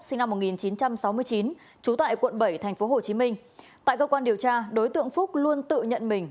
sinh năm một nghìn chín trăm sáu mươi chín trú tại quận bảy tp hcm tại cơ quan điều tra đối tượng phúc luôn tự nhận mình